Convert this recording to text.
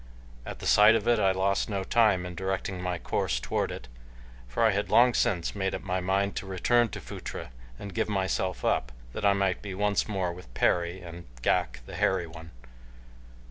At the sight of it I lost no time in directing my course toward it, for I had long since made up my mind to return to Phutra and give myself up that I might be once more with Perry and Ghak the Hairy One.